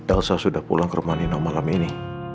elsa sudah pulang ke rumah nino malam ini